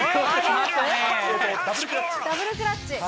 ダブルクラッチ。